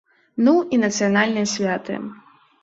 Ну, і нацыянальныя святы.